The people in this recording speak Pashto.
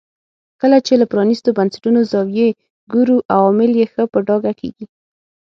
کله چې له پرانیستو بنسټونو زاویې ګورو عوامل یې ښه په ډاګه کېږي.